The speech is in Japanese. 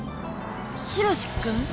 ヒロシ君？